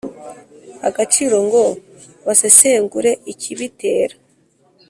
agaciro ngo basesengure ikibitera